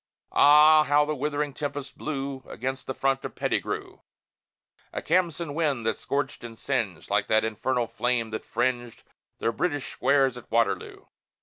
Ah, how the withering tempest blew Against the front of Pettigrew! A Khamsin wind that scorched and singed, Like that infernal flame that fringed The British squares at Waterloo!